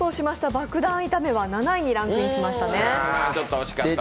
バクダン炒めは７位にランクインしましたね。